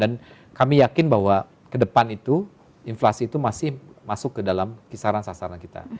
dan kami yakin bahwa ke depan itu inflasi itu masih masuk ke dalam kisaran sasaran kita